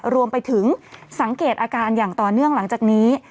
รวมไปถึงสังเกตอาการอย่างต่อเนื่องหลังจากนี้